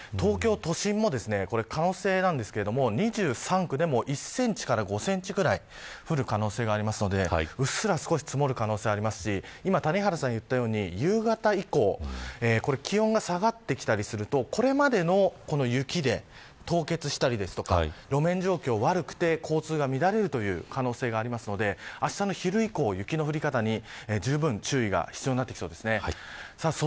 気温も下がってきますし東京都心もですね可能性なんですけど２３区でも１センチから５センチぐらい降る可能性がありますのでうっすら少し積もる可能性がありますので谷原さんが言ったように夕方以降気温が下がってきたりするとこれまでの雪で凍結したりですとか路面状況、悪くて交通が乱れるという可能性がありますのであしたの昼以降雪の降り方にじゅうぶん注意が必要になってきそうです。